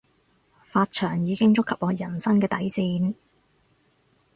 髮長已經觸及我人生嘅底線